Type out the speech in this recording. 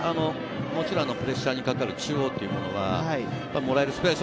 もちろんプレッシャーがかかる中央というのは、もらえるスペース。